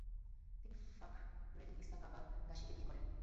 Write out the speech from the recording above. তিনি ফাখরেলনিসা কাবাগাশিকে বিয়ে করেন।